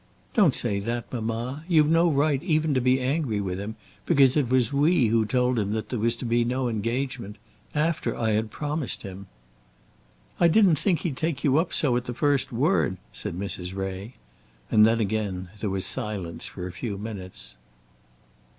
"Don't say that, mamma. You've no right even to be angry with him, because it was we who told him that there was to be no engagement, after I had promised him." "I didn't think he'd take you up so at the first word," said Mrs. Ray; and then there was again silence for a few minutes.